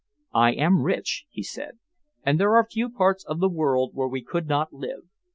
"I am rich," he said, "and there are few parts of the world where we could not live.